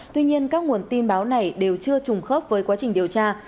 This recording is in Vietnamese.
tuy nhiên các nguồn tin báo này đều chưa trùng khớp với quá trình điều tra